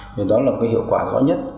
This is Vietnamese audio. thì đó là cái hiệu quả rõ nhất